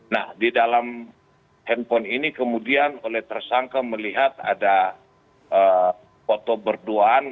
nah di dalam handphone ini kemudian oleh tersangka melihat ada foto berduaan